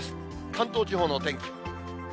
関東地方のお天気。